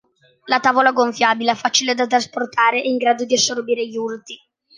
La tavola gonfiabile è facile da trasportare e in grado di assorbire gli urti.